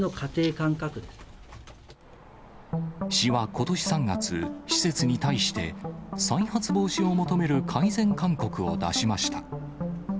市はことし３月、施設に対して再発防止を求める改善勧告を出しました。